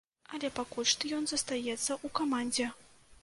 Але пакуль што ён застаецца ў камандзе.